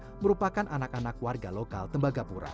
dan sebagian merupakan anak anak warga lokal tembagapura